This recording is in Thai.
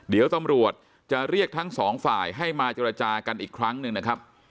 เดี๋ยวตำรวจจะเรียกทั้งสองฝ่ายให้มาเจรจากันอีกครั้งหนึ่งนะครับ